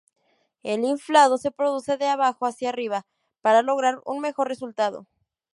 El inflado se produce de abajo hacia arriba para lograr un mejor resultado.